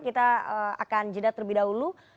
kita akan jeda terlebih dahulu